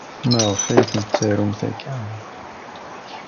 Maɣef ay tettarumt akka?